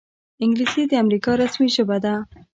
انګلیسي د امریکا رسمي ژبه ده